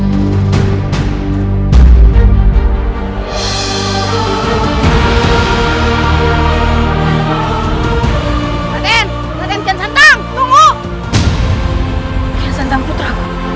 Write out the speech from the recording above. kukian santang putra